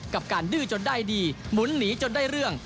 กับการดื้อจนได้ดีหมุนหนีจนได้เรื่อง